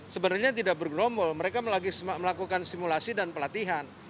sebenarnya tidak bergerombol mereka lagi melakukan simulasi dan pelatihan